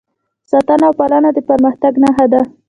ساتنه او پالنه د پرمختګ نښه ده.